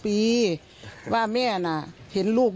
มีมนุษยสัมพันธ์ที่ดีกับประชาชนทุกคน